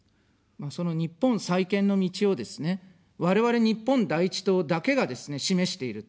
その日本再建の道をですね、我々、日本第一党だけがですね、示している。